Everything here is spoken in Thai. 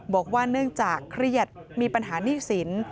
บอกว่าเนื่องจากเครียดมีปัญหาหนี้สิน